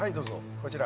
こちら。